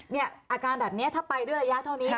เนี้ยอาการแบบเนี้ยถ้าไปด้วยระยะเท่านี้ใช่